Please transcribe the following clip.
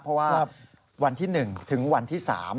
เพราะว่าวันที่๑ถึงวันที่๓